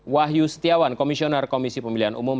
wahyu setiawan komisioner komisi pemilihan umum